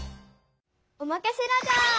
おまかせラジャー！